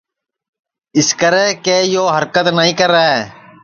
اِسکرے کہ یو ہرکت نائی کرے